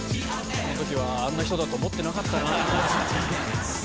このときは、あんな人だと思ってなかったな。